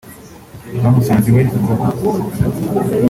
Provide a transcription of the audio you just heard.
Bamusanze iwe mu rugo